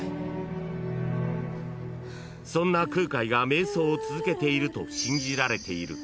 ［そんな空海が瞑想を続けていると信じられている］